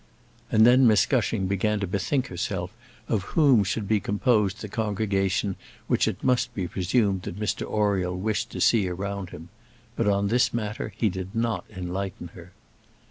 And then Miss Gushing began to bethink herself of whom should be composed the congregation which it must be presumed that Mr Oriel wished to see around him. But on this matter he did not enlighten her.